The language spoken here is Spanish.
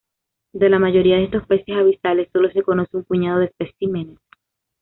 De la mayoría de estos peces abisales sólo se conoce un puñado de especímenes.